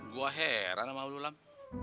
gue heran sama udhulam